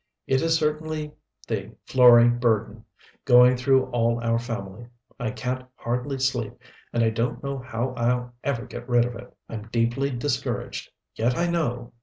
It is certainly the Florey burden going through all our family. I can't hardly sleep and don't know how I'll ever get rid of it. I'm deeply discouraged, yet I know...."